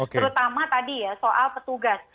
terutama tadi ya soal petugas